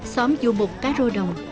xóm vua mục cá rô đồng